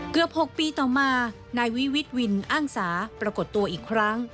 เกือบ๖ปีต่อมานายวิวิทย์วินอ้างสาปรากฏตัวอีกครั้ง